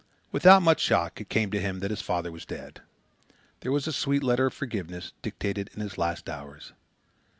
Without much shock, it came to him that his father was dead. There was a sweet letter of forgiveness, dictated in his last hours.